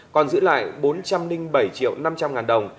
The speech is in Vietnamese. còn giữ lại bốn trăm linh bảy triệu năm trăm linh ngàn đồng